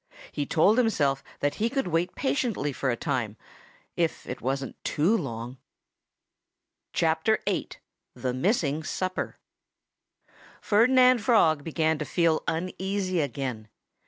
He told himself that he could wait patiently for a time if it wasn't too long. VIII THE MISSING SUPPER Ferdinand Frog had begun to feel uneasy again.